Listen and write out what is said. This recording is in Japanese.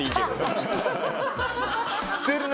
知ってるね